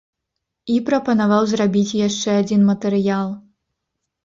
І прапанаваў зрабіць яшчэ адзін матэрыял.